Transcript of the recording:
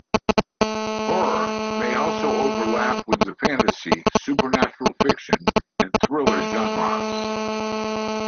Horror may also overlap with the fantasy, supernatural fiction and thriller genres.